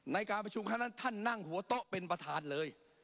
ในการประชุมครั้งนั้นท่านนั่งหัวโต๊ะเป็นประธานเลย